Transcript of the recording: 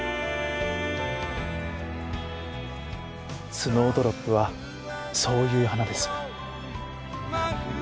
スノードロップはそういう花です。